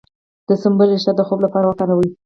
د سنبل ریښه د خوب لپاره وکاروئ